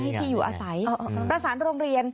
ที่อยู่อาศัยประสานโรงเรียน